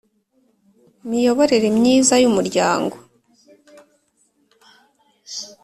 Miyoborere myiza y umuryango